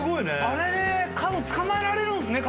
あれで捕まえられるんですね。